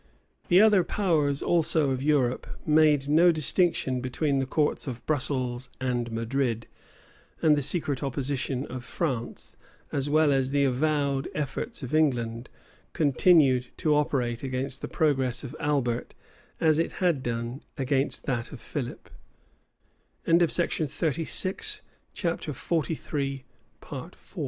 The other powers also of Europe made no distinction between the courts of Brussels and Madrid; and the secret opposition of France, as well as the avowed efforts of England, continued to operate against the progress of Albert, as it had done against that of Philip. CHAPTER XLIV. ELIZABETH. {1599.